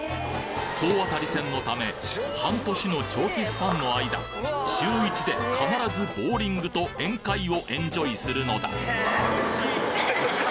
総当たり戦のため半年の長期スパンの間週１で必ずボウリングと宴会をエンジョイするのだおいしい！